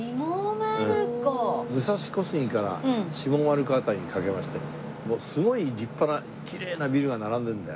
武蔵小杉から下丸子辺りにかけましてすごい立派なきれいなビルが並んでるんだよ。